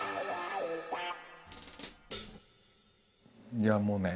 いやもうね